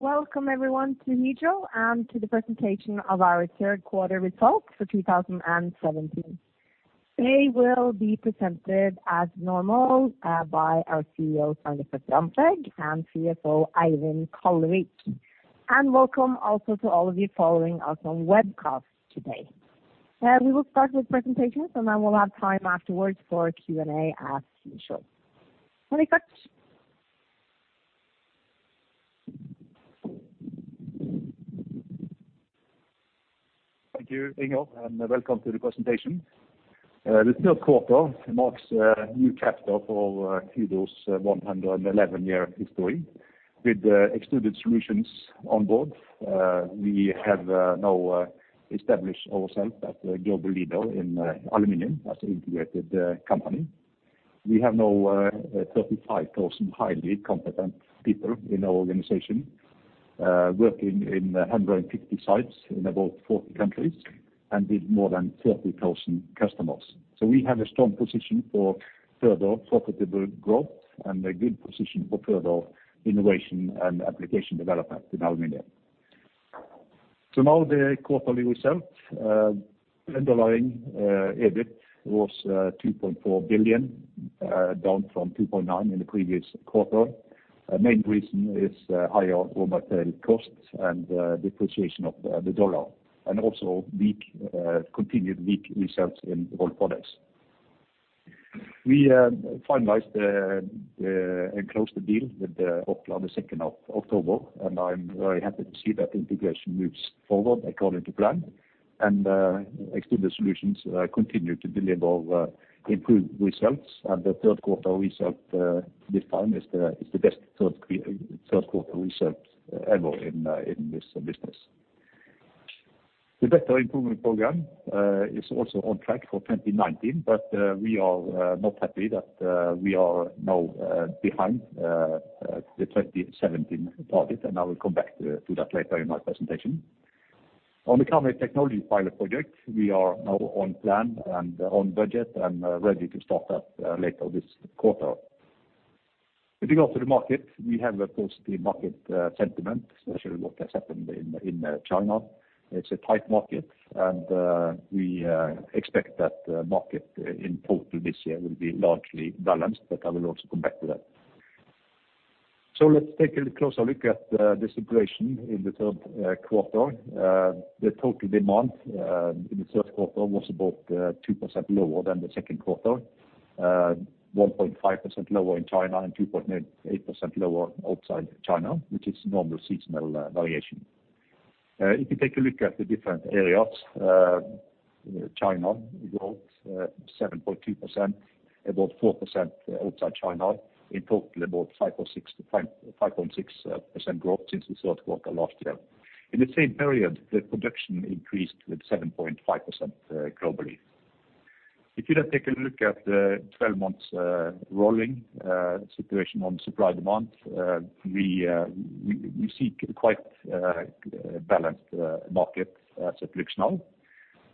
Welcome everyone to Nijo and to the presentation of our third quarter results for 2017. They will be presented as normal by our CEO, Svein Richard Brandtzæg, and CFO, Eivind Kallevik. Welcome also to all of you following us on webcast today. We will start with presentations, and then we'll have time afterwards for Q&A as usual. Thank you, Inger, welcome to the presentation. This third quarter marks a new chapter for Hydro's 111-year history. With Extruded Solutions on board, we have now established ourselves as a global leader in aluminum as an integrated company. We have now 35,000 highly competent people in our organization, working in 150 sites in about 40 countries and with more than 30,000 customers. We have a strong position for further profitable growth and a good position for further innovation and application development in aluminum. Now the quarterly result. Underlying EBIT was 2.4 billion, down from 2.9 billion in the previous quarter. Main reason is higher raw material costs, depreciation of the dollar, also continued weak results in Rolled Products. We finalized and closed the deal with Orkla the second of October. I'm very happy to see that integration moves forward according to plan. Extruded Solutions continue to deliver improved results. The third quarter result this time is the best third quarter result ever in this business. The Better program is also on track for 2019. We are not happy that we are now behind the 2017 target. I will come back to that later in my presentation. On the Karmøy Technology Pilot project, we are now on plan and on budget and ready to start up later this quarter. If you go to the market, we have a positive market sentiment, especially what has happened in China. It's a tight market. We expect that the market in total this year will be largely balanced. I will also come back to that. Let's take a closer look at the situation in the third quarter. The total demand in the third quarter was about 2% lower than the second quarter, 1.5% lower in China and 2.8% lower outside China, which is normal seasonal variation. If you take a look at the different areas, China growth, 7.2%, about 4% outside China, in total about 5.6%-5.6% growth since the third quarter last year. In the same period, the production increased with 7.5% globally. If you take a look at the 12 months rolling situation on supply/demand, we see quite balanced market as it looks now.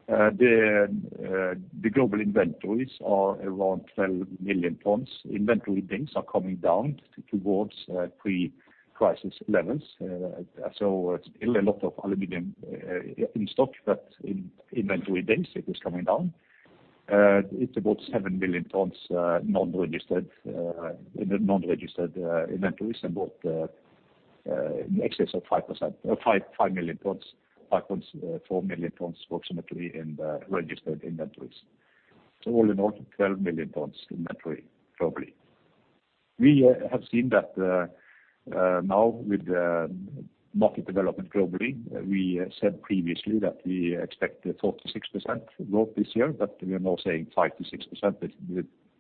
The global inventories are around 12 million tons. Inventory things are coming down towards pre-crisis levels. So it's still a lot of aluminum in stock, but in inventory days it is coming down. It's about 7 million tons non-registered inventories and both 5 million tons, 5.4 million tons approximately in the registered inventories. All in all, 12 million tons inventory globally. We have seen that now with market development globally, we said previously that we expect 4%-6% growth this year, but we are now saying 5%-6%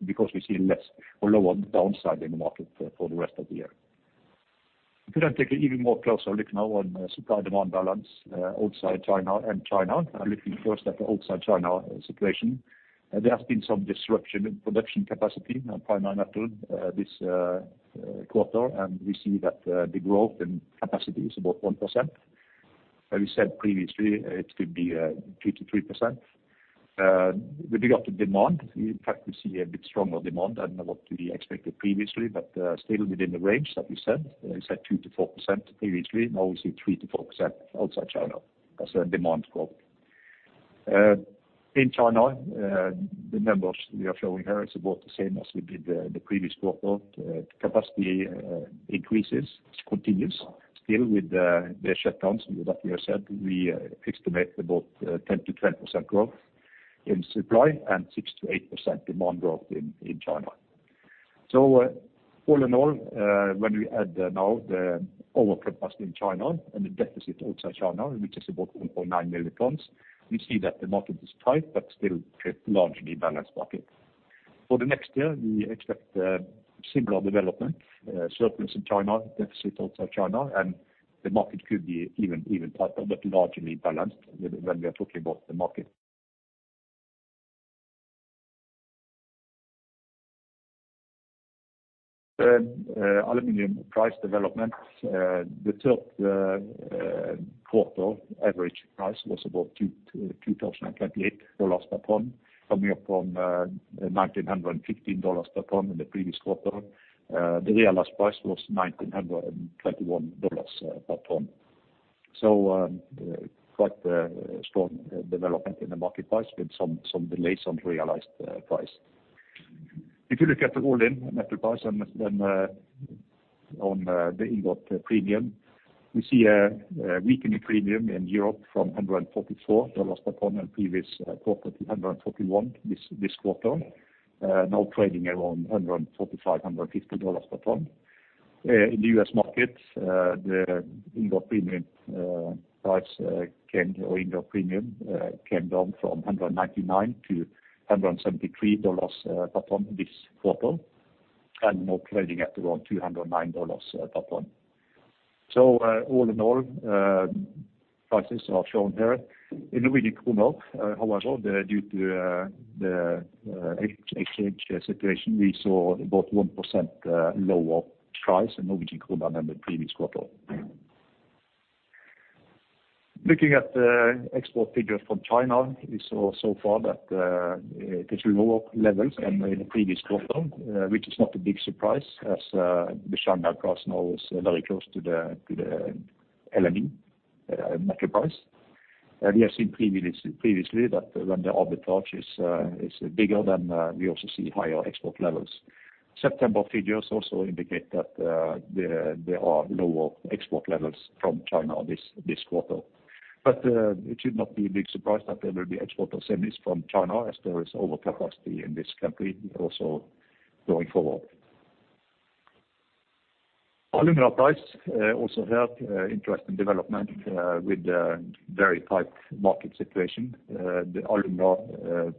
because we see less or lower downside in the market for the rest of the year. If you then take an even more closer look now on supply/demand balance, outside China and China, looking first at the outside China situation, there has been some disruption in production capacity and Primary Metal this quarter, we see that the growth in capacity is about 1%. As we said previously, it could be 2%-3%. If you go to demand, in fact we see a bit stronger demand than what we expected previously, still within the range that we set. We set 2%-4% previously. Now we see 3%-4% outside China as a demand growth. In China, the numbers we are showing here is about the same as we did the previous quarter. Capacity increases continues still with the shutdowns and what we have said. We estimate about 10%-12% growth in supply and 6%-8% demand growth in China. All in all, when we add now the overcapacity in China and the deficit outside China, which is about 1.9 million tons, we see that the market is tight but still a largely balanced market. For the next year, we expect similar development, surplus in China, deficit outside China, and the market could be even tighter but largely balanced when we are talking about the market. Aluminum price development, the third quarter average price was about $2,028 per ton, coming up from $1,915 per ton in the previous quarter. The realized price was $1,921 per ton. Quite the strong development in the market price with some delays on realized price. If you look at the all-in metal price and then on the ingot premium, we see a weakening premium in Europe from $144 per ton in previous quarter to $141 this quarter, now trading around $145-$150 per ton. In the U.S. market, the ingot premium came down from $199 to $173 per ton this quarter, and now trading at around $209 per ton. All in all, prices are shown here. In Norwegian krone, however, due to the exchange situation, we saw about 1% lower price in Norwegian krone than the previous quarter. Looking at the export figures from China, we saw so far that it is lower levels than the previous quarter, which is not a big surprise as the Shanghai price now is very close to the LME metal price. We have seen previously that when the arbitrage is bigger than, we also see higher export levels. September figures also indicate that there are lower export levels from China this quarter. It should not be a big surprise that there will be export of semis from China as there is overcapacity in this country also going forward. Alumina price also had interesting development with the very tight market situation. The alumina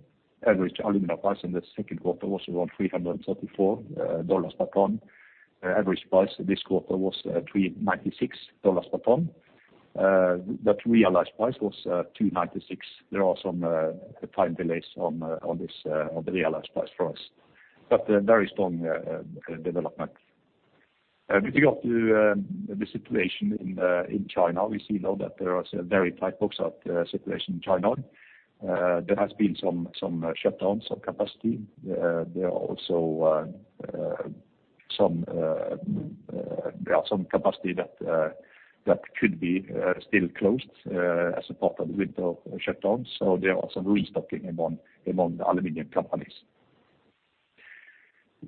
average alumina price in the second quarter was around $334 per ton. Average price this quarter was $396 per ton. Realized price was $296. There are some time delays on this on the realized price for us. A very strong development. If you go to the situation in China, we see now that there is a very tight bauxite situation in China. There has been some shutdowns of capacity. There are also some there are some capacity that could be still closed as a part of the winter shutdowns. There are some restocking among the aluminium companies.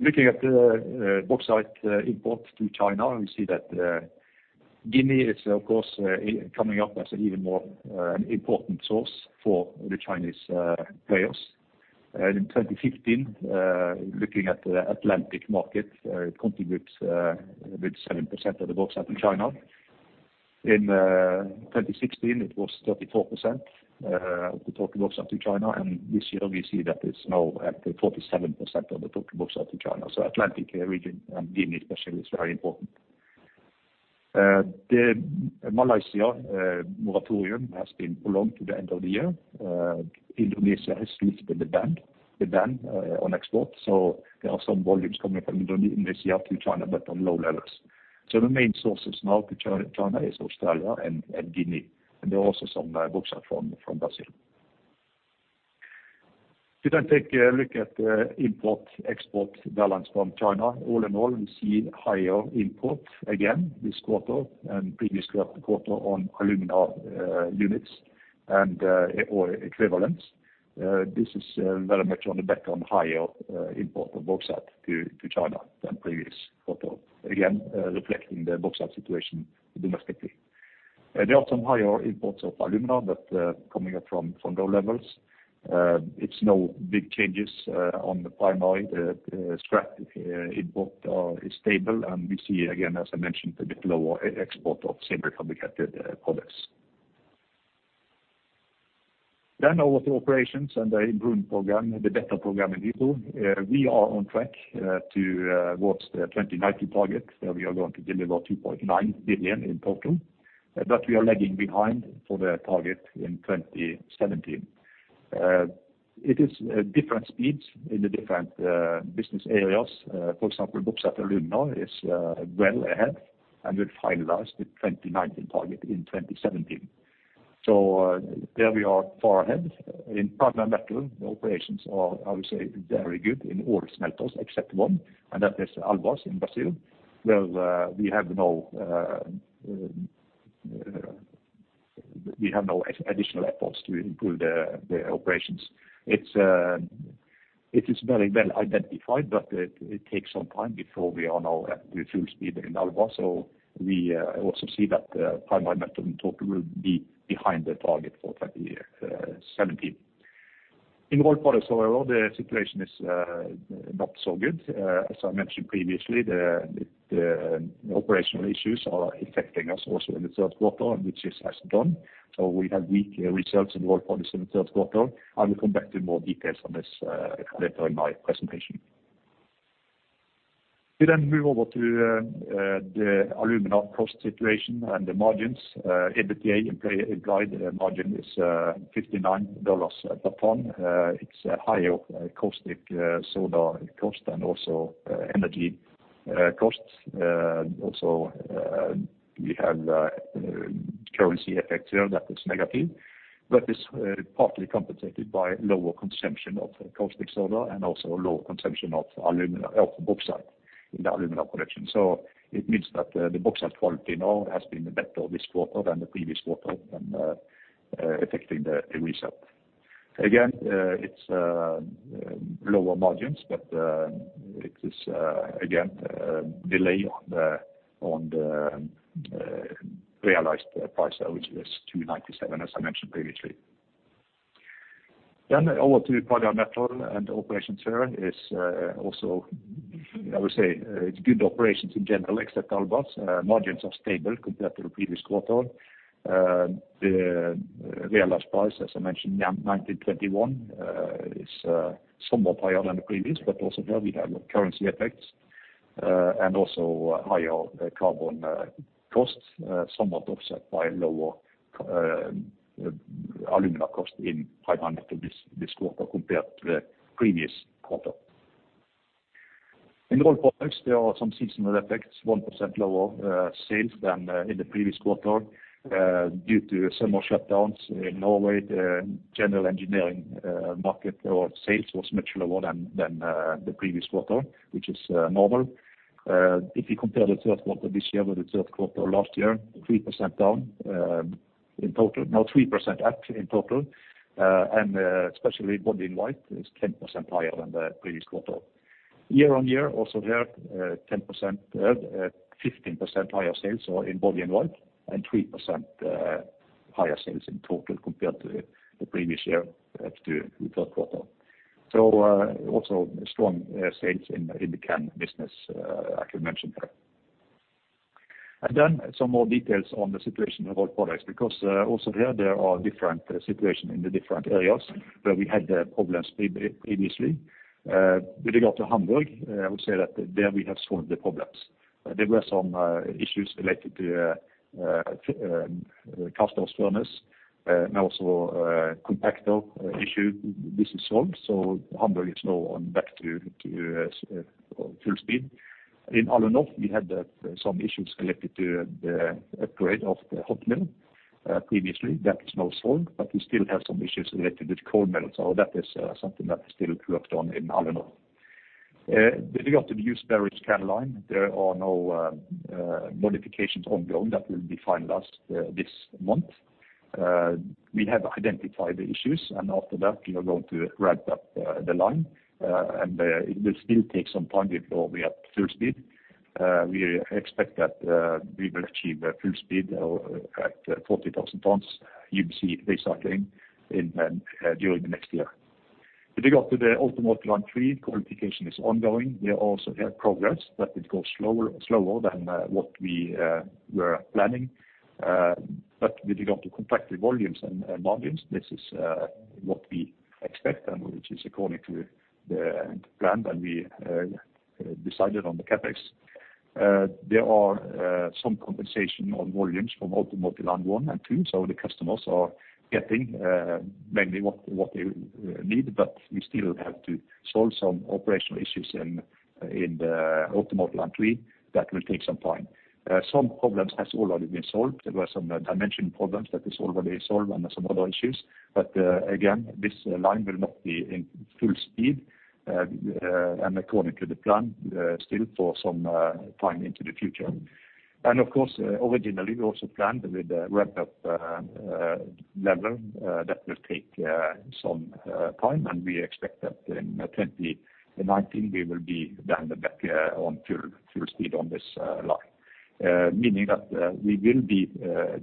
Looking at the bauxite imports to China, we see that Guinea is of course coming up as an even more an important source for the Chinese players. In 2015, looking at the Atlantic market, it contributes a good 7% of the bauxite in China. In 2016, it was 34% of the total bauxite to China. This year, we see that it's now at 47% of the total bauxite to China. Atlantic region, and Guinea especially, is very important. The Malaysia moratorium has been prolonged to the end of the year. Indonesia has lifted the ban on export, there are some volumes coming from Indonesia to China, but on low levels. The main sources now to China is Australia and Guinea, and there are also some bauxite from Brazil. We take a look at the import-export balance from China. All in all, we see higher import again this quarter and previous quarter on alumina units and or equivalents. This is very much on the back on higher import of bauxite to China than previous quarter. Again, reflecting the bauxite situation domestically. There are some higher imports of alumina that coming up from low levels. It's no big changes on the primary scrap import is stable, and we see again, as I mentioned, a bit lower export of semi-fabricated products. Over to operations and the improvement program, the Better program in Norsk. We are on track towards the 2019 targets, where we are going to deliver 2.9 billion in total. We are lagging behind for the target in 2017. It is different speeds in the different business areas. For example, bauxite alumina is well ahead, and we'll finalize the 2019 target in 2017. There we are far ahead. In Primary Metal, the operations are, I would say, very good in all smelters except one, and that is Alunorte in Brazil, where we have no additional efforts to improve the operations. It's very well identified, but it takes some time before we are now at full speed in Alunorte. We also see that Primary Metal in total will be behind the target for 2017. In Rolled Products, however, the situation is not so good. As I mentioned previously, the operational issues are affecting us also in the third quarter, and which is as done. We have weak results in Rolled Products in the third quarter. I will come back to more details on this later in my presentation. We then move over to the alumina cost situation and the margins. EBITDA guidance margin is $59 per ton. It's a higher caustic soda cost and also energy costs. Also, we have currency effect here that is negative, but it's partly compensated by lower consumption of caustic soda and also lower consumption of alumina, of bauxite in the aluminium production. It means that the bauxite quality now has been better this quarter than the previous quarter and affecting the result. Again, it's lower margins, but it is again delay on the realized price, which was $297 as I mentioned previously. Over to Hydro Metal and operations here is also, I would say, it's good operations in general except Albras. Margins are stable compared to the previous quarter. The realized price, as I mentioned, $910.21, is somewhat higher than the previous, also here we have currency effects and also higher carbon costs, somewhat offset by lower aluminum cost in Hydro Metal this quarter compared to the previous quarter. In Rolled Products, there are some seasonal effects, 1% lower sales than in the previous quarter due to summer shutdowns. In Norway, the general engineering market or sales was much lower than the previous quarter, which is normal. If you compare the third quarter this year with the third quarter last year, 3% down in total. No, 3% up in total. Especially body in white is 10% higher than the previous quarter. Year-on-year, also there, 10%, 15% higher sales or in body in white, and 3% higher sales in total compared to the previous year as to the third quarter. Also strong sales in the can business, I could mention there. Some more details on the situation of Rolled Products, because also here there are different situation in the different areas where we had the problems previously. With regard to Hamburg, I would say that there we have solved the problems. There were some issues related to customer's furnace, and also a compactor issue. This is solved, Hamburg is now on back to full speed. In Alunorte, we had some issues related to the upgrade of the hot metal previously. That is now solved. We still have some issues related to cold metal. That is something that is still worked on in Alunorte. With regard to the Neuss can line, there are no modifications ongoing. That will be finalized this month. We have identified the issues. After that, we are going to ramp up the line. It will still take some time before we're at full speed. We expect that we will achieve full speed or at 40,000 tons UBC recycling during the next year. With regard to the Automotive Line 3, qualification is ongoing. We also have progress. It goes slower and slower than what we were planning. With regard to contracted volumes and margins, this is what we expect and which is according to the plan that we decided on the CapEx. There are some compensation on volumes from Automotive Line 1 and 2, the customers are getting mainly what they need. We still have to solve some operational issues in the Automotive Line 3 that will take some time. Some problems has already been solved. There were some dimension problems that is already solved and some other issues. Again, this line will not be in full speed according to the plan still for some time into the future. Of course, originally, we also planned with a ramp up level that will take some time. We expect that in 2019 we will be then back on full speed on this line. Meaning that we will be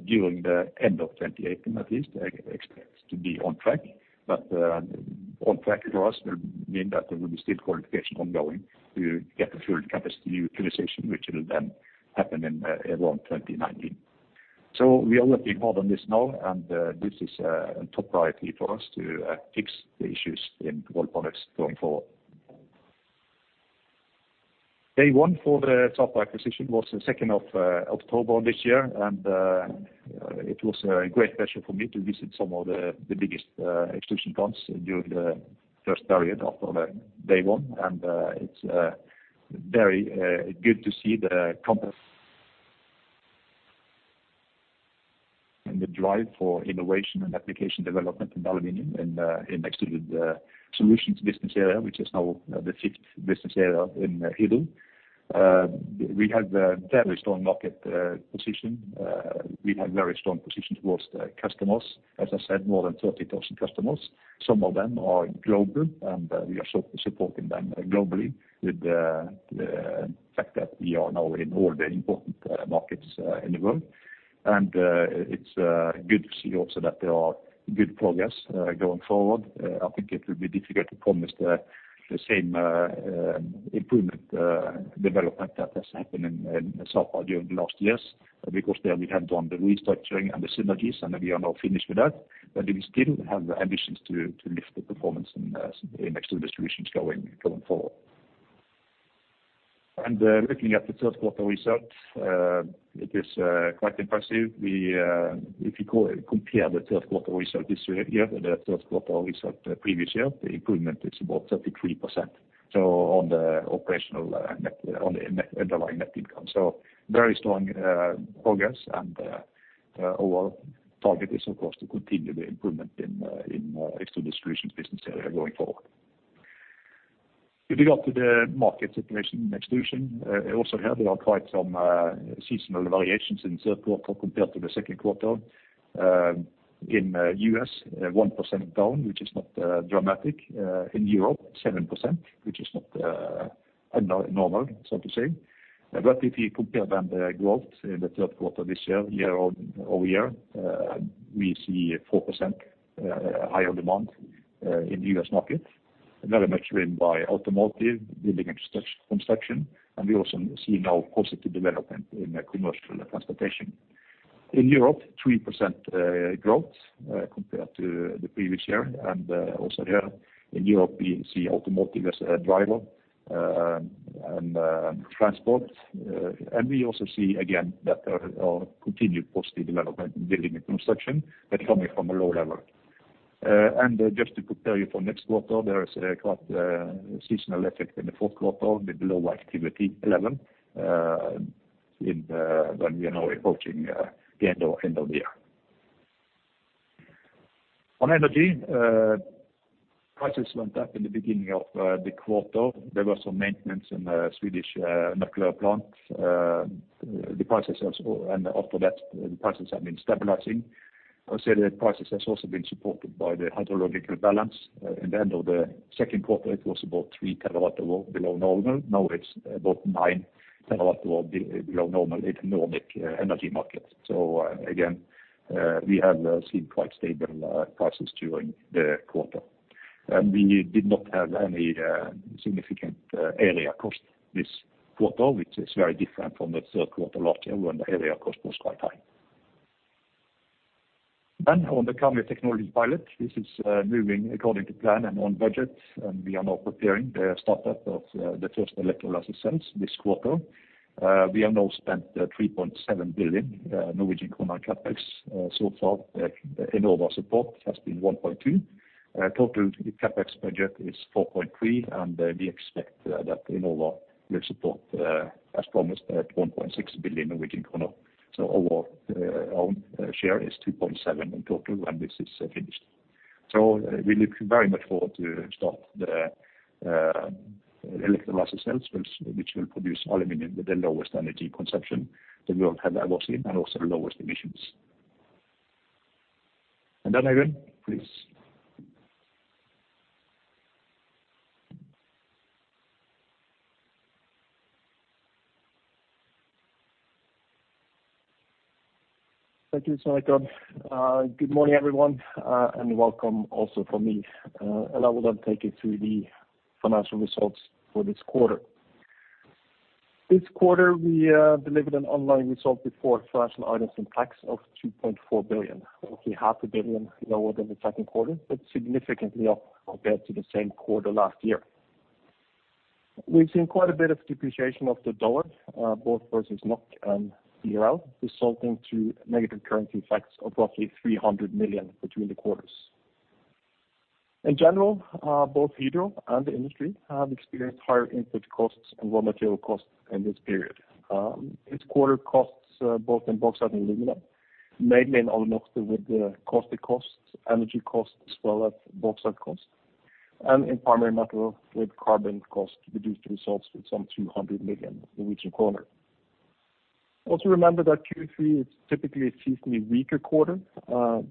during the end of 2018 at least, I expect to be on track. On track for us will mean that there will be still qualification ongoing to get the full capacity utilization, which will then happen in around 2019. We are working hard on this now, and this is a top priority for us to fix the issues in Rolled Products going forward. Day one for the Sapa acquisition was the second of October this year. It was a great pleasure for me to visit some of the biggest extrusion plants during the first period after the day one. It's very good to see the compass and the drive for innovation and application development in aluminum in Extruded Solutions business area, which is now the fifth business area in Hydro. We have a very strong market position. We have very strong position towards the customers. As I said, more than 30,000 customers. Some of them are global, we are supporting them globally with the fact that we are now in all the important markets in the world. It's good to see also that there are good progress going forward. I think it will be difficult to promise the same improvement development that has happened in South during the last years, because there we have done the restructuring and the synergies, and we are now finished with that. We still have ambitions to lift the performance in Extruded Solutions going forward. Looking at the third quarter results, it is quite impressive. If you go and compare the third quarter result this year, the third quarter result previous year, the improvement is about 33%, so on the operational net, underlying net income. Very strong progress. Our target is of course to continue the improvement in Extruded Solutions business area going forward. If you go to the market situation exclusion, also here there are quite some seasonal variations in third quarter compared to the second quarter. In U.S., 1% down, which is not dramatic. In Europe 7%, which is not normal, so to say. If you compare then the growth in the third quarter this year-over-year, we see 4% higher demand in the U.S. market, very much driven by automotive, building and construction. We also see now positive development in commercial transportation. In Europe, 3% growth compared to the previous year. Also here in Europe, we see automotive as a driver and transport. We also see again that there are continued positive development in building and construction, but coming from a low level. Just to prepare you for next quarter, there is a quite seasonal effect in the fourth quarter with lower activity level in when we are now approaching the end of the year. On energy, prices went up in the beginning of the quarter. There was some maintenance in the Swedish nuclear plant. After that, the prices have been stabilizing. I will say the prices has also been supported by the hydrological balance. In the end of the second quarter, it was about 3 TWh below normal. Now it's about 9 TWh below normal in Nordic energy market. Again, we have seen quite stable prices during the quarter. We did not have any significant area cost this quarter, which is very different from the third quarter last year when the area cost was quite high. On the Karmøy Technology Pilot, this is moving according to plan and on budget. We are now preparing the startup of the first electrolysis cells this quarter. We have now spent 3.7 billion in CapEx. So far, Enova support has been 1.2. Total CapEx budget is 4.3, and we expect that Enova will support, as promised, 1.6 billion. Our own share is 2.7 in total, and this is finished. We look very much forward to start the electrolysis cells which will produce aluminum with the lowest energy consumption that we have ever seen and also the lowest emissions. Eivind, please. Thank you, Svein Richard. Good morning, everyone, welcome also from me. I will then take you through the financial results for this quarter. This quarter we delivered an online result before financial items and tax of 2.4 billion, roughly 500 million lower than the second quarter, but significantly up compared to the same quarter last year. We've seen quite a bit of depreciation of the U.S. dollar, both versus NOK and BRL, resulting to negative currency effects of roughly 300 million between the quarters. In general, both Hydro and the industry have experienced higher input costs and raw material costs in this period. This quarter costs, both in bauxite and alumina, mainly in Alunorte with the caustic costs, energy costs, as well as bauxite costs, and in Primary Metal with carbon costs reduced results with some 200 million. Remember that Q3 is typically a seasonally weaker quarter,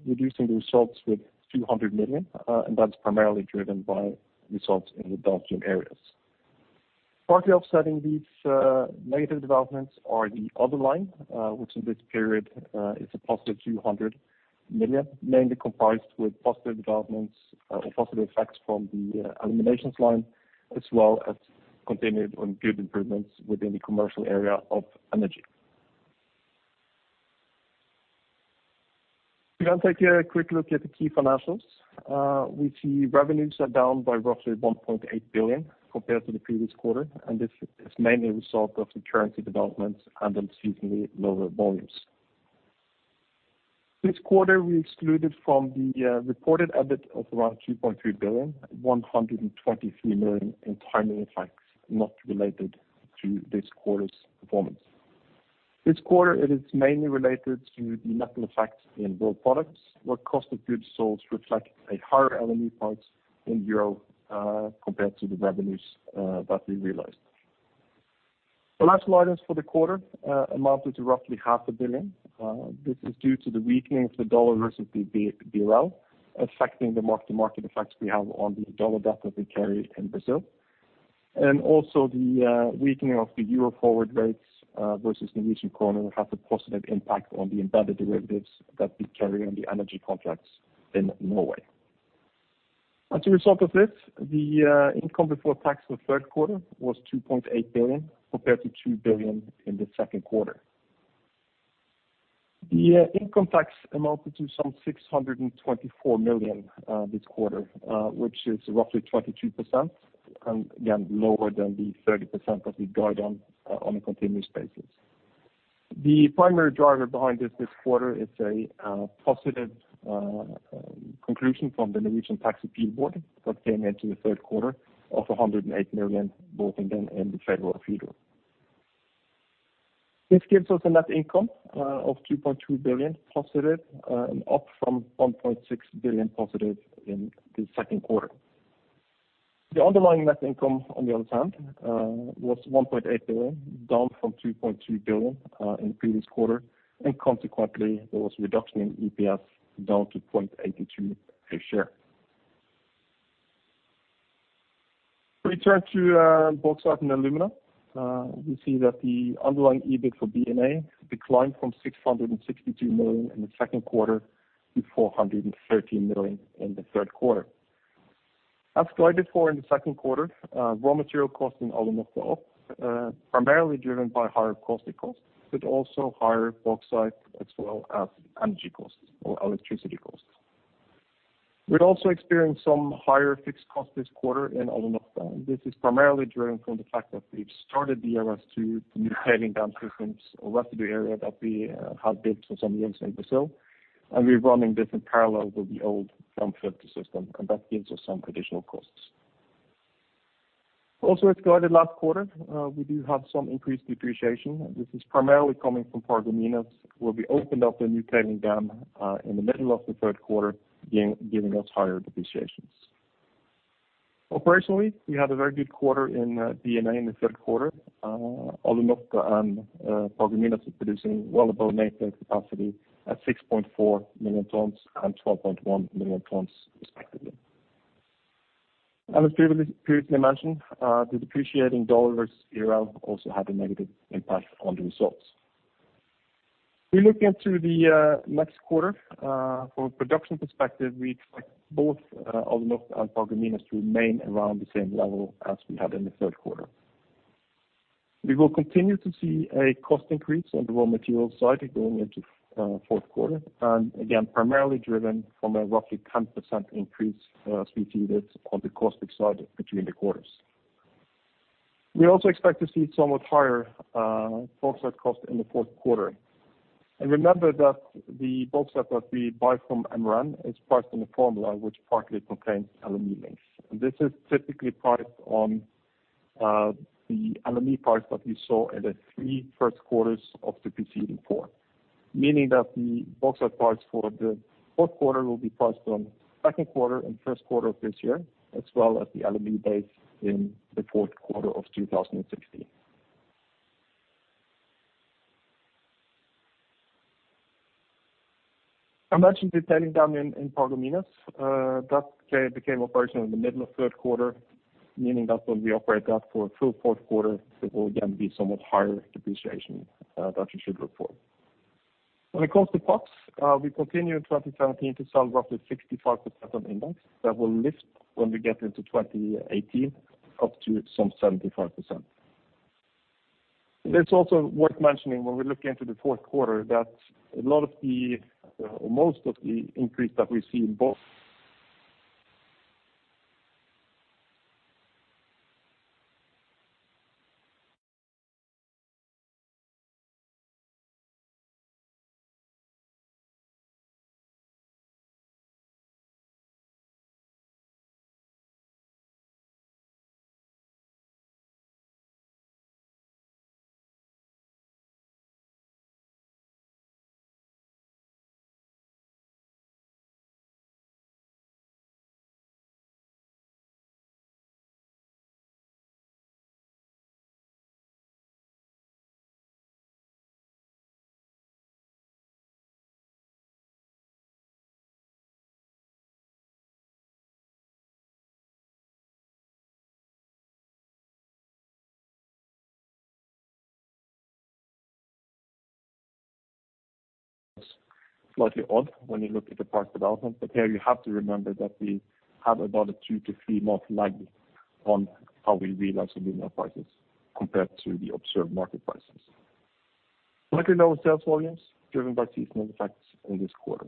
reducing the results with 200 million, and that's primarily driven by results in the downstream areas. Partly offsetting these negative developments are the other line, which in this period is a positive 200 million, mainly comprised with positive developments, or positive effects from the aluminations line, as well as continued and good improvements within the commercial area of energy. We will take a quick look at the key financials. We see revenues are down by roughly 1.8 billion compared to the previous quarter, and this is mainly a result of the currency developments and then seasonally lower volumes. This quarter we excluded from the reported EBIT of around 2.3 billion, 123 million in timing effects not related to this quarter's performance. This quarter it is mainly related to the metal effects in Rolled Products, where cost of goods sold reflect a higher aluminum price in euro compared to the revenues that we realized. Financial items for the quarter amounted to roughly 500 million. This is due to the weakening of the dollar versus the BRL, affecting the mark to market effects we have on the dollar debt that we carry in Brazil. Also the weakening of the euro forward rates versus Norwegian kroner had a positive impact on the embedded derivatives that we carry on the energy contracts in Norway. As a result of this, the income before tax for the third quarter was 2.8 billion compared to 2 billion in the second quarter. The income tax amounted to some 624 million this quarter, which is roughly 22%, and again, lower than the 30% that we guide on on a continuous basis. The primary driver behind this quarter is a positive conclusion from the Norwegian Tax Appeal Board that came into the third quarter of 108 million, both in then and the Federal of Hydro. This gives us a net income of 2.2 billion positive, up from 1.6 billion positive in the second quarter. The underlying net income on the other hand, was 1.8 billion, down from 2.2 billion in the previous quarter, consequently there was a reduction in EPS down to 0.82 a share. We turn to bauxite and alumina. You see that the underlying EBIT for B&A declined from 662 million in the second quarter to 413 million in the third quarter. As guided for in the second quarter, raw material costs in Alunorte are up, primarily driven by higher caustic costs, but also higher bauxite as well as energy costs or electricity costs. We'd also experienced some higher fixed costs this quarter in Alunorte. This is primarily driven from the fact that we've started the DRS2, the new tailing dam systems or residue area that we had built for some years in Brazil, and we're running this in parallel with the old dam filter system, and that gives us some additional costs. As guided last quarter, we do have some increased depreciation. This is primarily coming from Paragominas, where we opened up the new tailing dam in the middle of the third quarter, giving us higher depreciations. Operationally, we had a very good quarter in B&A in the third quarter. Alunorte and Paragominas are producing well above nameplate capacity at 6.4 million tons and 12.1 million tons respectively. As previously mentioned, the depreciating dollar versus BRL also had a negative impact on the results. We look into the next quarter, from a production perspective, we expect both Alunorte and Paragominas to remain around the same level as we had in the third quarter. We will continue to see a cost increase on the raw material side going into fourth quarter, and again, primarily driven from a roughly 10% increase, we see this on the caustic side between the quarters. We also expect to see somewhat higher bauxite costs in the fourth quarter. Remember that the bauxite that we buy from MRN is priced on a formula which partly contains LME links. This is typically priced on the LME price that we saw in the three first quarters of the preceding quarter. Meaning that the bauxite price for the fourth quarter will be priced on second quarter and first quarter of this year, as well as the LME base in the fourth quarter of 2016. I mentioned the tailing dam in Paragominas. That became operational in the middle of third quarter, meaning that when we operate that for a full fourth quarter, there will again be somewhat higher depreciation that we should report. When it comes to pots, we continue in 2017 to sell roughly 65% on index. That will lift when we get into 2018, up to some 75%. It is also worth mentioning when we look into the fourth quarter, that a lot of the, or most of the increase that we see in B&A slightly odd when you look at the price development. Here you have to remember that we have about a 2-3 month lag on how we realize alumina prices compared to the observed market prices. Slightly lower sales volumes driven by seasonal effects in this quarter.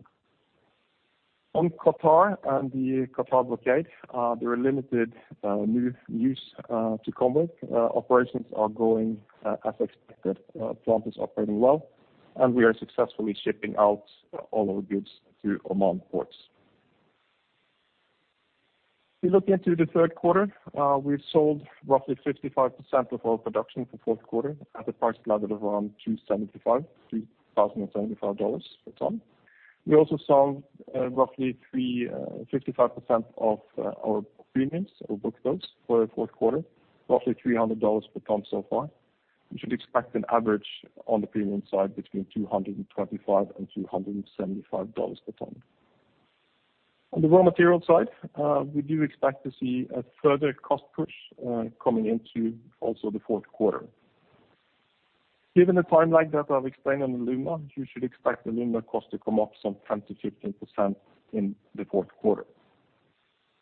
On Qatar and the Qatar blockade, there are limited new use to comment. Operations are going as expected. Plant is operating well, and we are successfully shipping out all our goods through Oman ports. We look into the third quarter. We've sold roughly 55% of our production for fourth quarter at a price level of around 275, $3,075 per ton. We also sold, 55% of our premiums or book those for the fourth quarter, roughly $300 per ton so far. We should expect an average on the premium side between $225 and $275 per ton. On the raw material side, we do expect to see a further cost push coming into also the fourth quarter. Given the timeline that I've explained on alumina, you should expect alumina cost to come up some 10%-15% in the fourth quarter.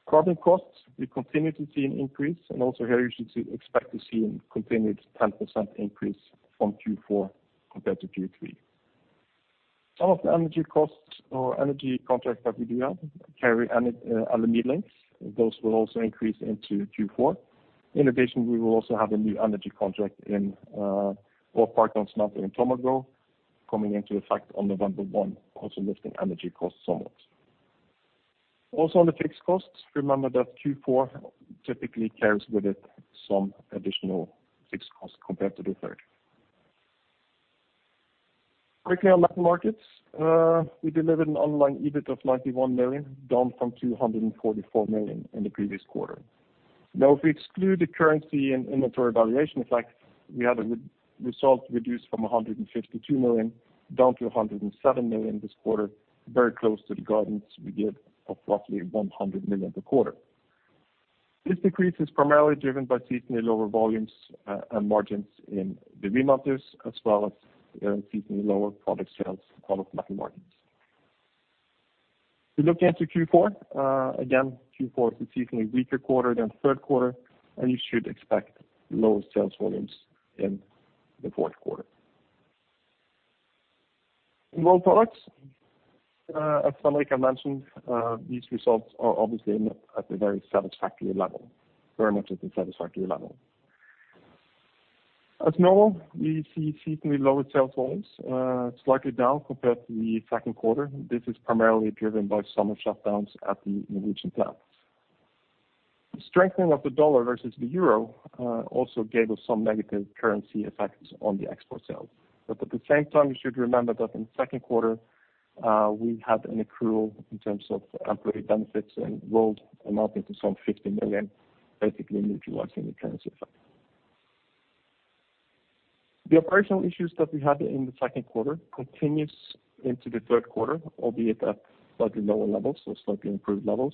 Carbon costs, we continue to see an increase, and also here you should expect to see a continued 10% increase from Q4 compared to Q3. Some of the energy costs or energy contracts that we do have carry an LME links. Those will also increase into Q4. In addition, we will also have a new energy contract in both Paragominas and Tomago coming into effect on November 1, also lifting energy costs somewhat. On the fixed costs, remember that Q4 typically carries with it some additional fixed costs compared to the third. Quickly on metal markets, we delivered an online EBIT of $91 million, down from $244 million in the previous quarter. If we exclude the currency and inventory valuation effect, we had a result reduced from $152 million down to $107 million this quarter, very close to the guidance we give of roughly $100 million per quarter. This decrease is primarily driven by seasonally lower volumes and margins in the remelters, as well as seasonally lower product sales out of metal markets. We look into Q4, again, Q4 is a seasonally weaker quarter than third quarter, and you should expect lower sales volumes in the fourth quarter. In Rolled Products, as somebody I mentioned, these results are obviously very much at the satisfactory level. As normal, we see seasonally lower sales volumes, slightly down compared to the second quarter. This is primarily driven by summer shutdowns at the Norwegian plants. The strengthening of the dollar versus the euro also gave us some negative currency effects on the export sales. At the same time, you should remember that in the second quarter, we had an accrual in terms of employee benefits and rolled amounting to some 50 million, basically neutralizing the currency effect. The operational issues that we had in the second quarter continues into the third quarter, albeit at slightly lower levels, so slightly improved levels.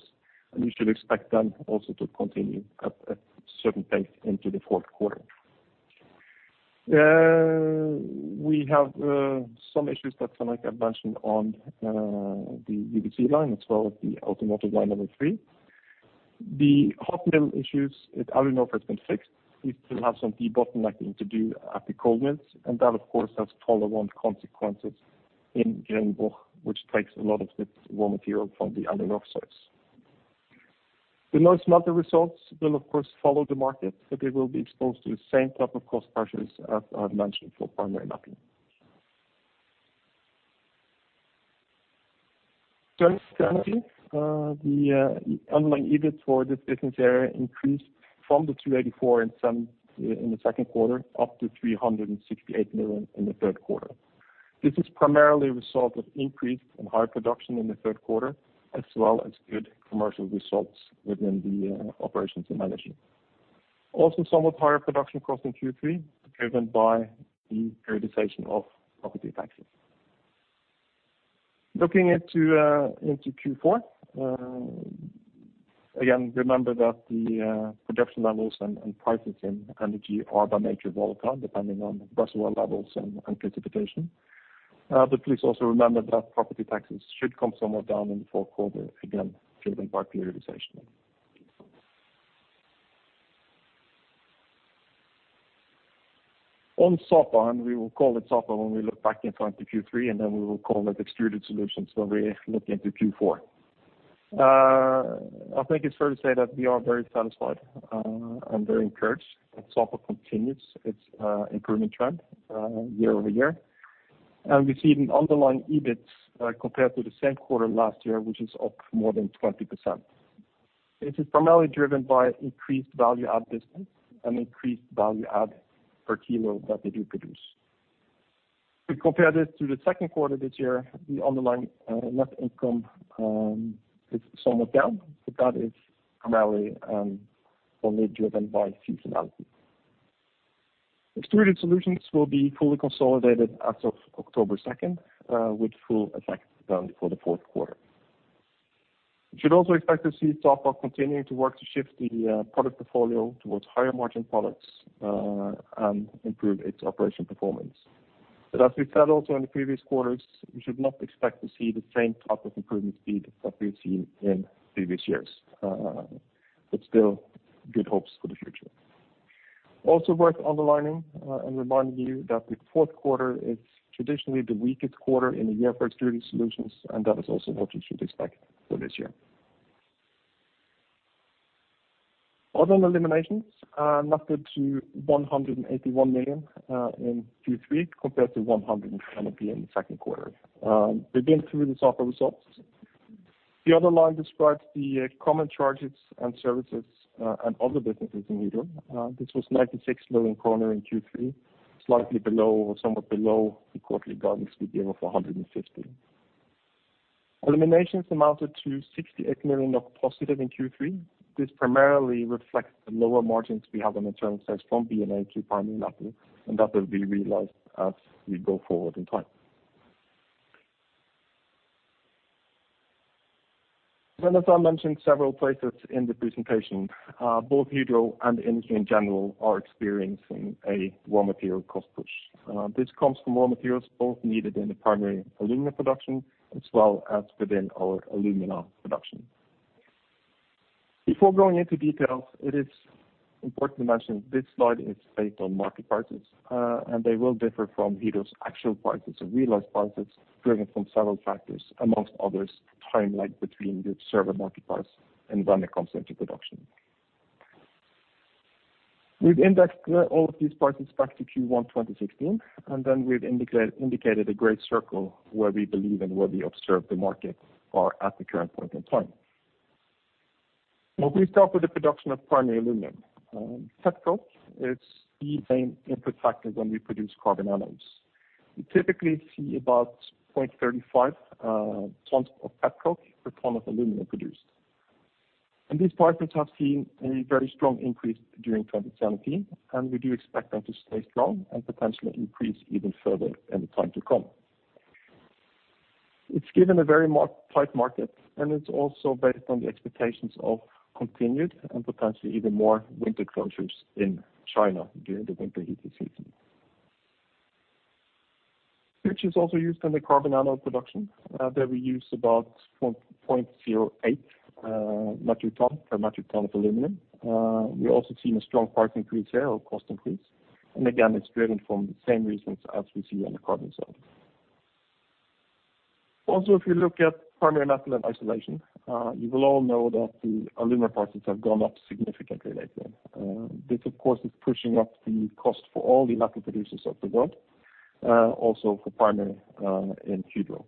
You should expect them also to continue at certain pace into the fourth quarter. We have some issues that somebody have mentioned on the UBC line as well as the Automotive Line 3. The hot mill issues, I don't know if it's been fixed. We still have some debottlenecking to do at the cold mills, and that, of course, has toll on consequences in Grenå, which takes a lot of its raw material from the Årdal sites. The non-smelter results will of course follow the market, but they will be exposed to the same type of cost pressures as I've mentioned for Primary Metal. Turning to energy, the underlying EBIT for this business area increased from 284 million in the second quarter, up to 368 million in the third quarter. This is primarily a result of increase in higher production in the third quarter, as well as good commercial results within the operations and managing. Somewhat higher production costs in Q3, driven by the periodization of property taxes. Looking into Q4, again, remember that the production levels and prices in energy are by nature volatile depending on reservoir levels and precipitation. Please also remember that property taxes should come somewhat down in the fourth quarter, again, driven by periodization. On Sapa, we will call it Sapa when we look back in front of Q3, and then we will call it Extruded Solutions when we look into Q4. I think it's fair to say that we are very satisfied and very encouraged that Sapa continues its improvement trend year-over-year. We see an underlying EBIT compared to the same quarter last year, which is up more than 20%. This is primarily driven by increased value add business and increased value add per kilo that they do produce. We compare this to the second quarter this year, the underlying net income is somewhat down, but that is primarily only driven by seasonality. Extruded Solutions will be fully consolidated as of October 2nd with full effect done for the fourth quarter. You should also expect to see Sapa continuing to work to shift the product portfolio towards higher margin products and improve its operation performance. As we've said also in the previous quarters, we should not expect to see the same type of improvement speed that we've seen in previous years. Still good hopes for the future. Also worth underlining and reminding you that the fourth quarter is traditionally the weakest quarter in the year for Extruded Solutions, and that is also what you should expect for this year. Other eliminations amounted to 181 million in Q3 compared to 120 in the second quarter, again through the Sapa results. The other line describes the common charges and services and other businesses in Hydro. This was 96 million kroner in Q3, slightly below or somewhat below the quarterly guidance we gave of 150 million. Eliminations amounted to 68 million of positive in Q3. This primarily reflects the lower margins we have on internal sales from B&A to Primary Aluminium, that will be realized as we go forward in time. As I mentioned several places in the presentation, both Hydro and the industry in general are experiencing a raw material cost push. This comes from raw materials both needed in the primary alumina production as well as within our alumina production. Before going into details, it is important to mention this slide is based on market prices. They will differ from Hydro's actual prices or realized prices driven from several factors, among others, time lag between the observed market price and when it comes into production. We've indexed all of these prices back to Q1 2016. Then we've indicated a gray circle where we believe and where we observe the markets are at the current point in time. When we start with the production of primary aluminum, petcoke, it's the main input factor when we produce carbon anodes. We typically see about 0.35 tons of petcoke per ton of aluminum produced. These prices have seen a very strong increase during 2017. We do expect them to stay strong and potentially increase even further in the time to come. It's given a very tight market. It's also based on the expectations of continued, and potentially even more, winter closures in China during the winter heating season. Pitch is also used in the carbon anode production that we use about 0.08 metric tons per metric ton of aluminum. We also see a strong price increase there or cost increase. Again, it's driven from the same reasons as we see on the carbon side. If you look at Primary Metal and isolation, you will all know that the alumina prices have gone up significantly lately. This of course, is pushing up the cost for all the alumina producers of the world, also for primary in Hydro.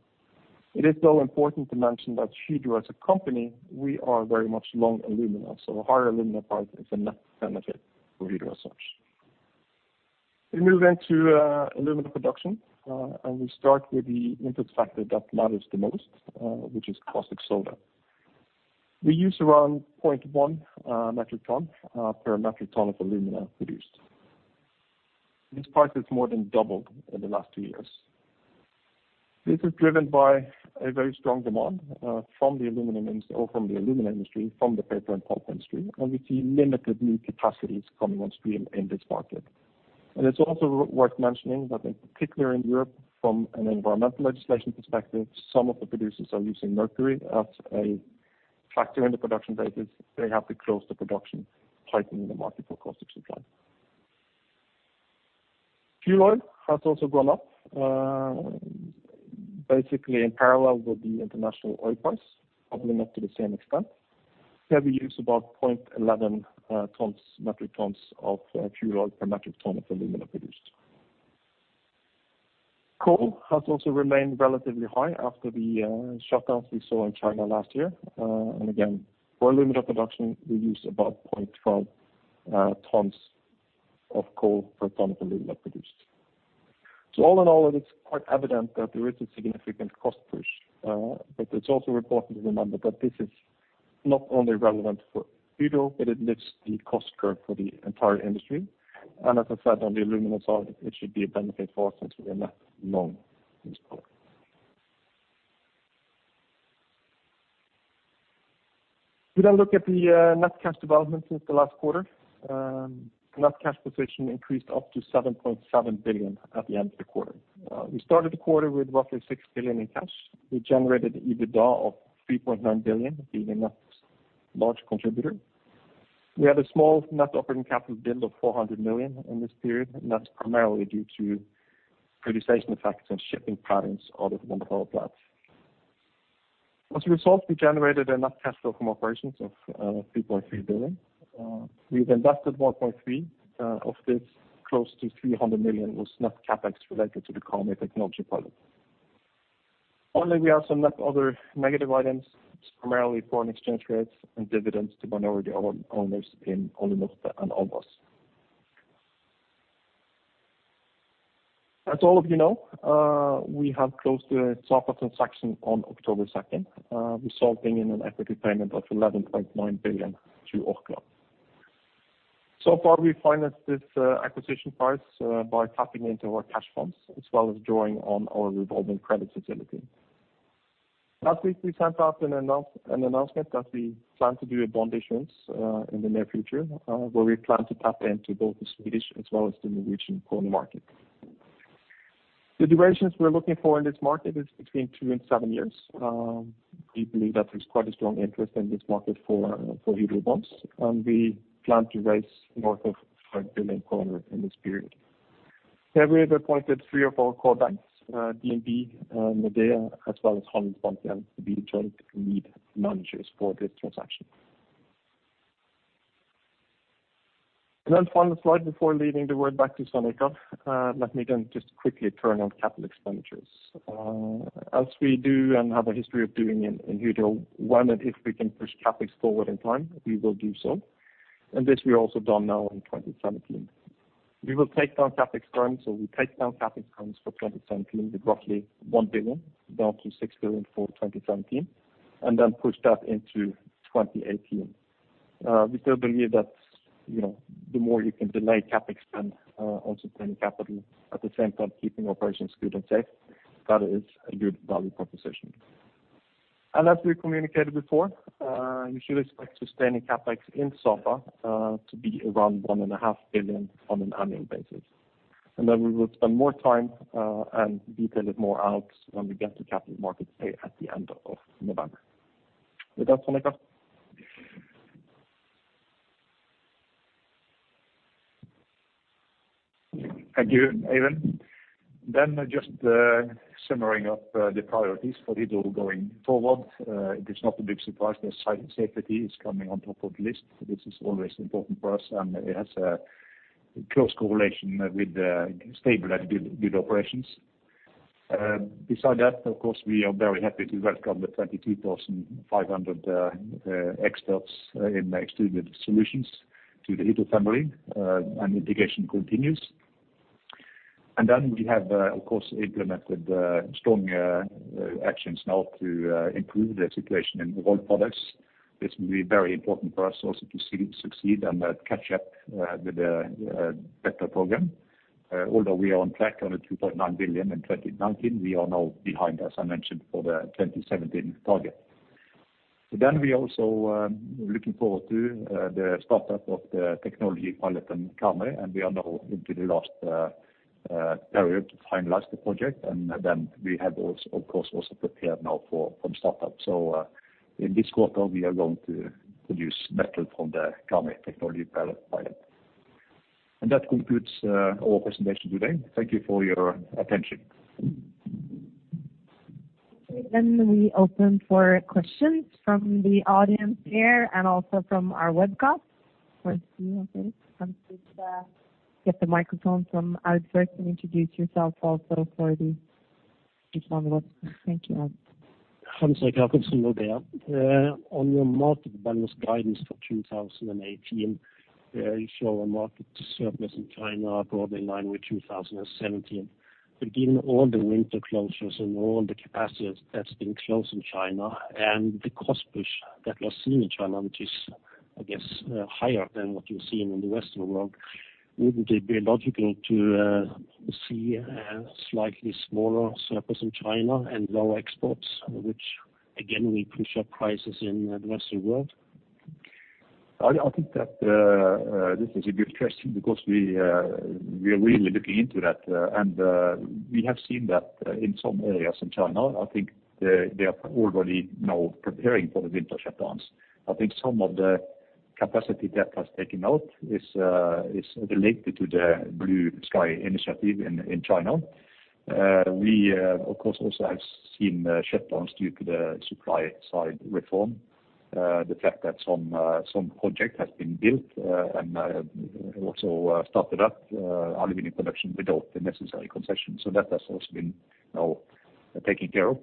It is, though, important to mention that Hydro as a company, we are very much long alumina, so a higher alumina price is a net benefit for Hydro as such. We move into alumina production, and we start with the input factor that matters the most, which is caustic soda. We use around 0.1 metric tons per metric ton of alumina produced. This price has more than doubled in the last two years. This is driven by a very strong demand from the alumina industry, from the paper and pulp industry, and we see limited new capacities coming on stream in this market. It's also worth mentioning that in particular in Europe from an environmental legislation perspective, some of the producers are using mercury as a factor in the production basis. They have to close the production, tightening the market for caustic supply. Fuel oil has also gone up, basically in parallel with the international oil price, although not to the same extent. Here we use about 0.11 tons, metric tons of fuel oil per metric ton of alumina produced. Coal has also remained relatively high after the shutdowns we saw in China last year. And again, for alumina production, we use about 0.12 tons of coal per ton of alumina produced. All in all, it is quite evident that there is a significant cost push, but it's also important to remember that this is not only relevant for Hydro, but it lifts the cost curve for the entire industry. As I said, on the alumina side, it should be a benefit for us since we are net long in this product. We look at the net cash development since the last quarter. Net cash position increased up to 7.7 billion at the end of the quarter. We started the quarter with roughly 6 billion in cash. We generated EBITDA of 3.9 billion, being a net large contributor. We had a small net operating capital build of 400 million in this period, and that's primarily due to production effects and shipping patterns out of one of our plants. As a result, we generated a net cash flow from operations of 3.3 billion. We've invested 1.3 billion. Of this close to 300 million was net CapEx related to the Karmøy Technology Pilot. Only we have some net other negative items, primarily foreign exchange rates and dividends to minority owners in Alunorte and Albras. As all of you know, we have closed the Sapa transaction on October 2nd, resulting in an equity payment of 11.9 billion to Orkla. Far we financed this acquisition price by tapping into our cash funds as well as drawing on our revolving credit facility. Last week we sent out an announcement that we plan to do a bond issuance in the near future, where we plan to tap into both the Swedish as well as the Norwegian coin market. The durations we're looking for in this market is between two and seven years. We believe that there's quite a strong interest in this market for Hydro bonds, and we plan to raise north of NOK 5 billion in this period. Here we have appointed three of our core banks, DNB, Nordea, as well as Handelsbanken to be the joint lead managers for this transaction. Final slide before leaving the word back to Sonika. Let me then just quickly turn on capital expenditures. As we do and have a history of doing in Hydro, when and if we can push CapEx forward in time, we will do so. This we also done now in 2017. We will take down CapEx spend, so we take down CapEx spends for 2017 with roughly 1 billion, down to 6 billion for 2017, and then push that into 2018. We still believe that, you know, the more you can delay CapEx spend, also turning capital at the same time keeping operations good and safe, that is a good value proposition. As we communicated before, you should expect sustaining CapEx in Sapa, to be around one and a half billion on an annual basis. Then we will spend more time, and detail it more out when we get to Capital Markets Day at the end of November. With that, Sonika? Thank you, Eivind. Just simmering up the priorities for the door going forward. It is not a big surprise that site safety is coming on top of the list. This is always important for us, and it has a close correlation with the stable and good operations. Beside that, of course, we are very happy to welcome the 22,500 experts in the Extruded Solutions to the Hydro family, and integration continues. We have of course implemented strong actions now to improve the situation in Rolled Products. This will be very important for us also to succeed and catch up with the Better program. Although we are on track on the 2.9 billion in 2019, we are now behind, as I mentioned, for the 2017 target. We also looking forward to the startup of the technology pilot in Karmøy, and we are now into the last period to finalize the project. We have of course, also prepared now for, from startup. In this quarter, we are going to produce metal from the Karmøy technology pilot. That concludes our presentation today. Thank you for your attention. We open for questions from the audience there and also from our webcast. Once you have this, come please, get the microphone from Hans-Erik first and introduce yourself also in front of us. Thank you all. Hans-Erik Jakobsen, Nordea. On your market balance guidance for 2018, you show a market surplus in China broadly in line with 2017. Given all the winter closures and all the capacity that's been closed in China and the cost push that was seen in China, which is, I guess, higher than what you're seeing in the rest of the world, wouldn't it be logical to see a slightly smaller surplus in China and lower exports, which again, will push up prices in the rest of the world? I think that this is a good question because we are really looking into that. We have seen that in some areas in China. I think they are already now preparing for the winter shutdowns. I think some of the capacity that has taken out is related to the Blue Sky initiative in China. We of course also have seen shutdowns due to the supply side reform. The fact that some project has been built and also started up aluminum production without the necessary concession. That has also been now taken care of.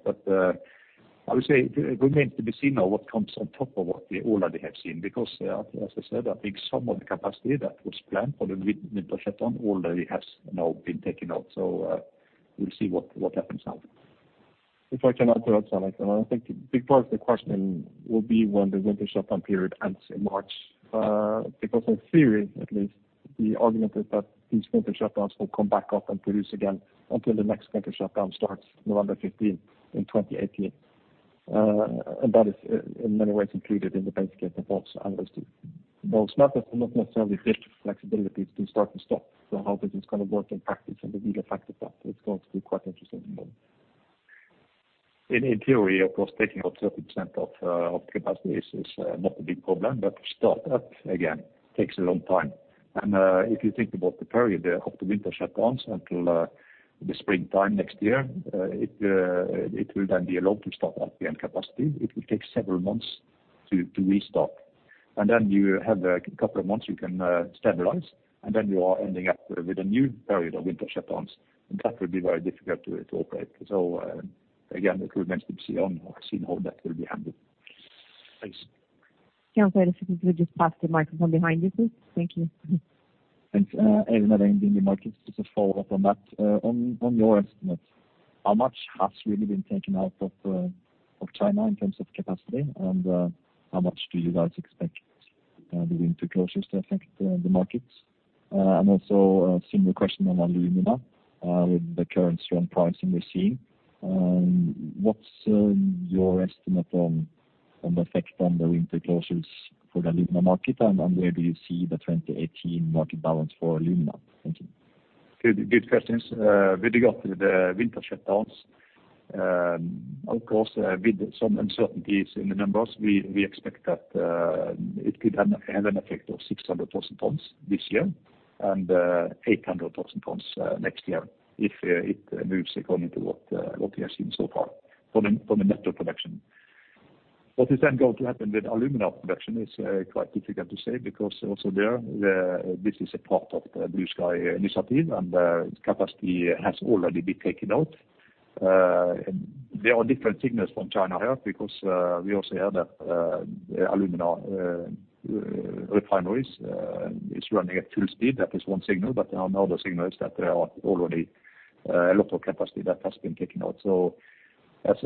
I would say it remains to be seen now what comes on top of what we already have seen. As I said, I think some of the capacity that was planned for the winter shutdown already has now been taken out. We'll see what happens now. If I can add to that, Hans-Erik, and I think a big part of the question will be when the winter shutdown period ends in March. In theory at least, the argument is that these winter shutdowns will come back up and produce again until the next winter shutdown starts November 15th in 2018. That is in many ways included in the base case reports analysts do. Those smelters do not necessarily have the flexibility to start and stop. How this is gonna work in practice and the legal fact of that is going to be quite interesting to know. In theory, of course, taking out 30% of capacity is not a big problem, but to start up again takes a long time. If you think about the period of the winter shutdowns until the springtime next year, it will then be a long to start up again capacity. It will take several months to restart. Then you have a couple of months you can stabilize, and then you are ending up with a new period of winter shutdowns, and that will be very difficult to operate. Again, it remains to be seen how that will be handled. Thanks. Can I ask you to just pass the microphone behind you, please? Thank you. Thanks. Eirik Vegard Furuseth, Just a follow-up on that. On your estimate, how much has really been taken out of China in terms of capacity? How much do you guys expect the winter closures to affect the markets? Also a similar question on alumina with the current strong pricing we're seeing. What's your estimate on the effect on the winter closures for the alumina market, and where do you see the 2018 market balance for alumina? Thank you. Good questions. With regard to the winter shutdowns, of course, with some uncertainties in the numbers, we expect that it could have an effect of 600,000 tons this year and 800,000 tons next year if it moves according to what we have seen so far from a metal production. What is then going to happen with alumina production is quite difficult to say because also there, this is a part of the Blue Sky initiative, and capacity has already been taken out. There are different signals from China here because we also hear that the alumina refineries is running at full speed. That is one signal, but another signal is that there are already a lot of capacity that has been taken out. As,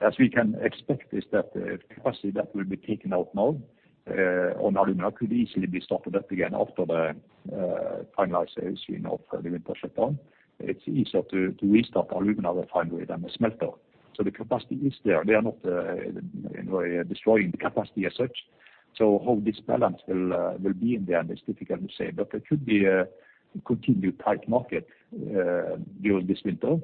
as we can expect is that the capacity that will be taken out now, on alumina could easily be started up again after the finalization of the winter shutdown. It's easier to restart the alumina refinery than the smelter. The capacity is there. They are not, you know, destroying the capacity as such. How this balance will be in the end is difficult to say. It could be a continued tight market during this winter.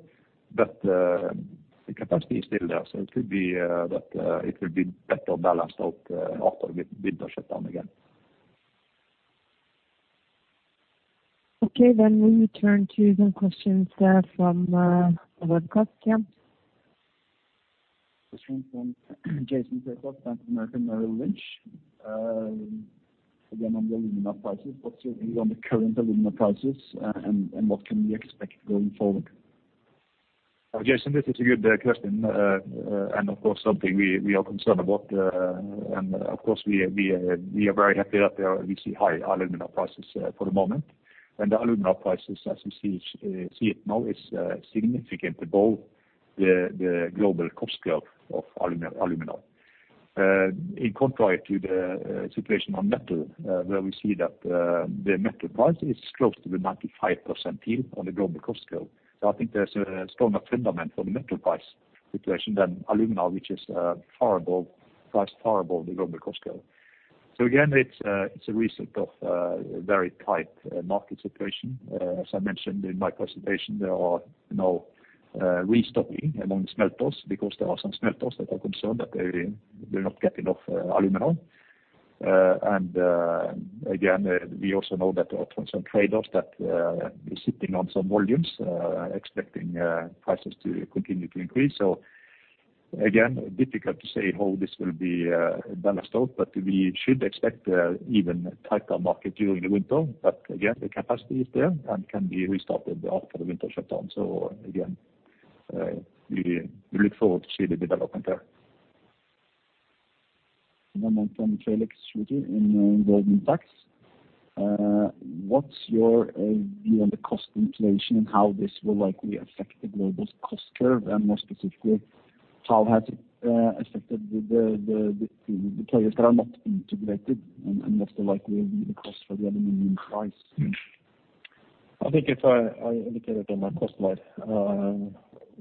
The capacity is still there, so it could be, that, it will be better balanced out, after we shut down again. We will turn to some questions from the webcast, yeah. This one from Jason Fairclough from Bank of America Merrill Lynch. again, on the alumina prices. What's your view on the current alumina prices and what can we expect going forward? Jason, this is a good question. Of course, something we are concerned about. Of course, we are very happy that we see high alumina prices for the moment. The alumina prices, as you see it now, is significant above the global cost curve of aluminum. In contrary to the situation on metal, where we see that the metal price is close to the 95 percentile on the global cost curve. I think there's a stronger fundament for the metal price situation than alumina, which is price far above the global cost curve. Again, it's a result of very tight market situation. As I mentioned in my presentation, there are no restocking among smelters because there are some smelters that are concerned that they will not get enough aluminum. Again, we also know that from some traders that is sitting on some volumes, expecting prices to continue to increase. Again, difficult to say how this will be balanced out, but we should expect even tighter market during the winter. Again, the capacity is there and can be restarted after the winter shutdown. Again, we look forward to see the development there. in Goldman Sachs. What's your view on the cost inflation and how this will likely affect the global cost curve? More specifically, how has it affected the players that are not integrated and what's the likelihood of the cost for the aluminum price? I think if I indicated on my cost slide,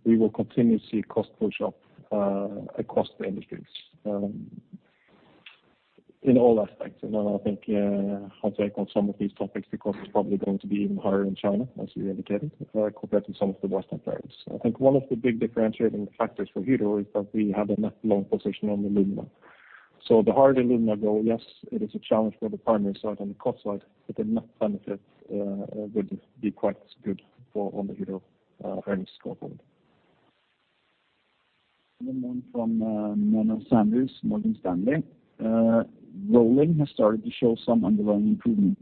we will continue to see cost push up across the industries in all aspects. I think I'll take on some of these topics, the cost is probably going to be even higher in China, as you indicated, compared to some of the Western players. I think one of the big differentiating factors for Hydro is that we have a net long position on aluminum. The higher the aluminum go, yes, it is a challenge for the primary side on the cost side, but the net benefit will be quite good on the Hydro earnings scoreboard. One from Menno Sanderse, Morgan Stanley. Rolling has started to show some underlying improvement.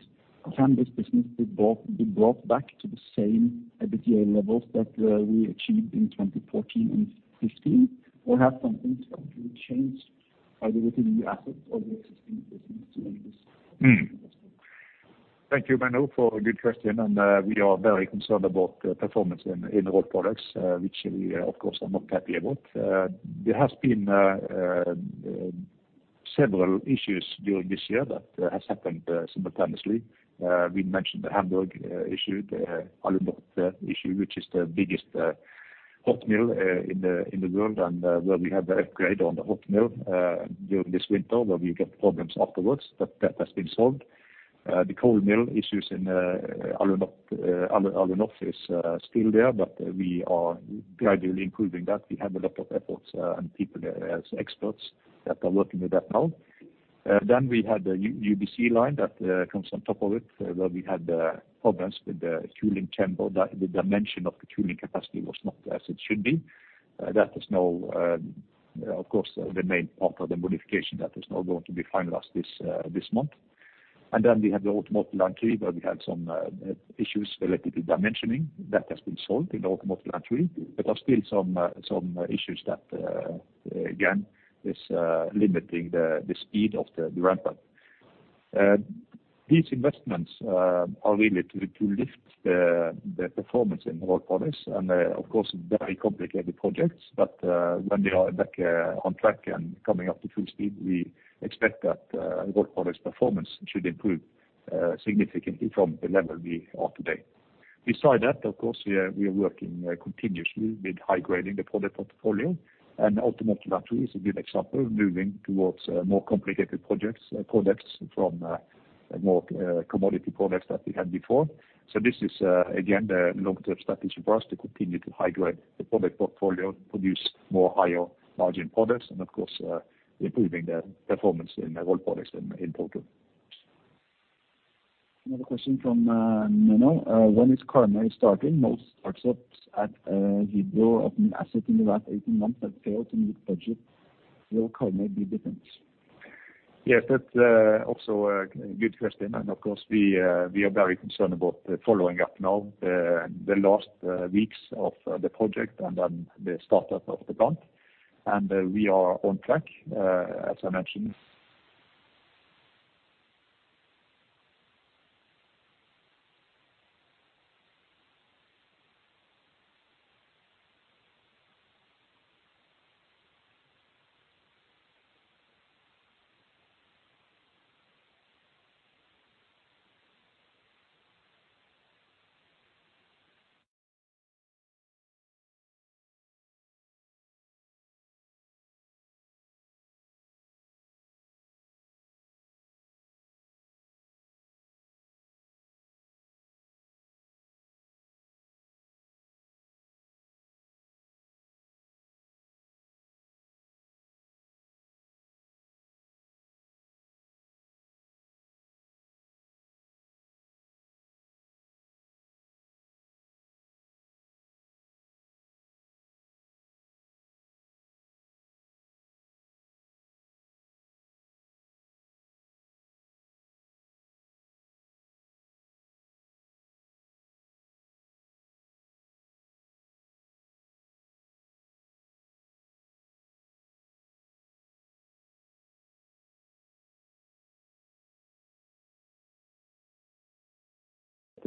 Can this business be brought back to the same EBITDA levels that we achieved in 2014 and 2015? Have something fundamentally changed either within the assets or the existing business during this investment? Thank you, Menno, for a good question. We are very concerned about performance in Rolled Products, which we of course are not happy about. There has been several issues during this year that has happened simultaneously. We mentioned the Hamburg issue, the Alunorf issue, which is the biggest hot mill in the world, where we have the upgrade on the hot mill during this winter, where we get problems afterwards, but that has been solved. The cold mill issues in Alunorf is still there, we are gradually improving that. We have a lot of efforts and people as experts that are working with that now. We had the UBC line that comes on top of it, where we had problems with the cooling chamber. The dimension of the cooling capacity was not as it should be. That is now, of course, the main part of the modification that is now going to be finalized this month. We have the automotive entry, where we had some issues related to dimensioning. That has been solved in the automotive entry, but there are still some issues that again, is limiting the speed of the ramp-up. These investments are really to lift the performance in Rolled Products, and they're of course very complicated projects. When they are back on track and coming up to full speed, we expect that Rolled Products performance should improve significantly from the level we are today. Beside that, of course, we are working continuously with high-grading the product portfolio. The automotive entry is a good example of moving towards more complicated products from more commodity products that we had before. This is again the long-term strategy for us to continue to high-grade the product portfolio, produce more higher margin products, and of course, improving the performance in Rolled Products in total. Another question from Menno. When is Karmøy starting? Most startups at Hydro of an asset in the last 18 months have failed to meet budget. Will Karmøy be different? Yes, that's also a good question. Of course, we are very concerned about following up now the last weeks of the project and then the startup of the plant. We are on track, as I mentioned.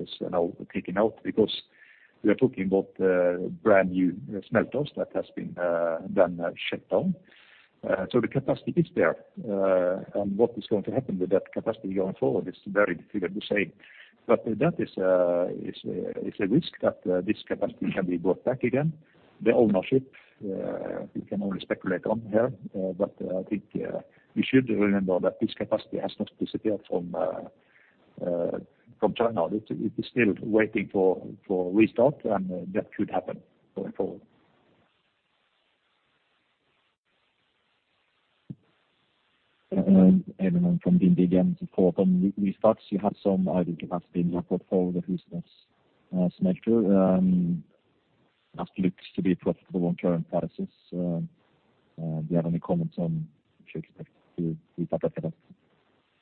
That's now kicking out because we are talking about brand new smelters that has been done shut down. The capacity is there. What is going to happen with that capacity going forward is very difficult to say. That is a risk that this capacity can be brought back again. The ownership, we can only speculate on here, but I think we should remember that this capacity has not disappeared from China. It is still waiting for restart and that should happen going forward.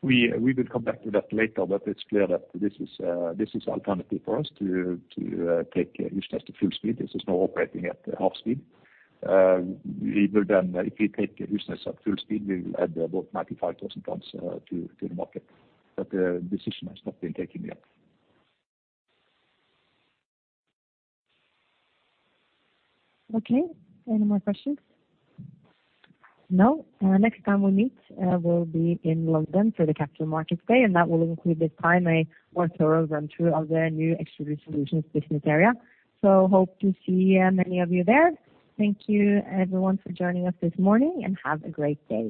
We will come back to that later, but it's clear that this is alternative for us to take Husnes to full speed. This is now operating at half speed. If we take Husnes at full speed, we will add about 95,000 tons to the market. The decision has not been taken yet. Okay. Any more questions? No. Next time we meet, will be in London for the Capital Markets Day. That will include this time a more thorough run through of the new Extruded Solutions business area. Hope to see many of you there. Thank you everyone for joining us this morning. Have a great day.